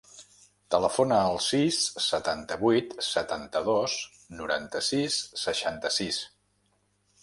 Telefona al sis, setanta-vuit, setanta-dos, noranta-sis, seixanta-sis.